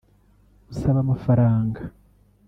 bubasaba amafaranga